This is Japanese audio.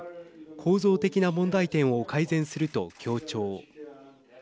構造的な問題点を改善すると強調。